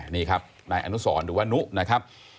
นี่ครับนายอนุสรหรือว่านุนะครับ